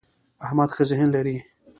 احمد ښه ذهن لري.